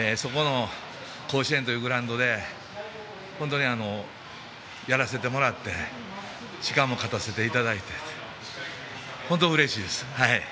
甲子園というグラウンドでやらせてもらってしかも、勝たせていただいて本当にうれしいです。